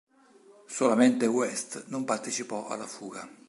Solamente West non partecipò alla fuga.